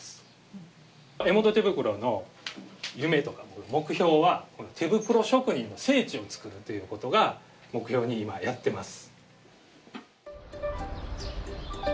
江本手袋の夢とか目標は「手袋職人の聖地を創る」ということが目標に今やっています。